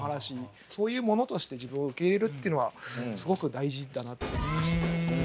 そういうものとして自分を受け入れるっていうのはすごく大事だなと思いました。